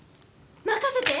任せて！